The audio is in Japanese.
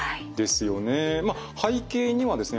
背景にはですね